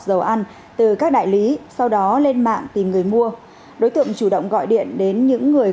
dầu ăn từ các đại lý sau đó lên mạng tìm người mua đối tượng chủ động gọi điện đến những người